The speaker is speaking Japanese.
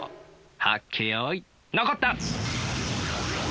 はっけよいのこった！